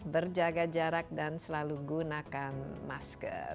berjaga jarak dan selalu gunakan masker